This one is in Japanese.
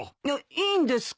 いいんですか？